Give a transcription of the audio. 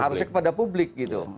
harusnya kepada publik gitu